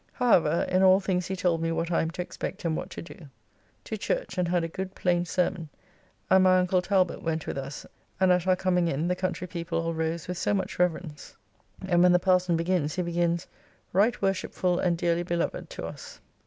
However, in all things he told me what I am to expect and what to do. To church, and had a good plain sermon, and my uncle Talbot went with us and at our coming in the country people all rose with so much reverence; and when the parson begins, he begins "Right worshipfull and dearly beloved" to us.